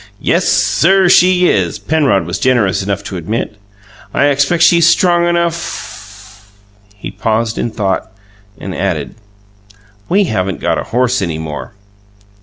"Yes, sir she is!" Penrod was generous enough to admit. "I expect she's strong enough " He paused in thought, and added: "We haven't got a horse any more."